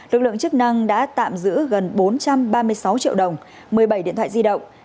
lực lượng chức năng đã tạm giữ gần bốn trăm ba mươi sáu triệu đồng một mươi bảy điện thoại di động